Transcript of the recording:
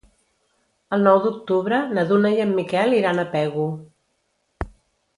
El nou d'octubre na Duna i en Miquel iran a Pego.